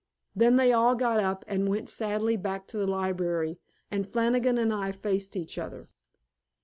Then they all got up and went sadly back to the library, and Flannigan and I faced each other.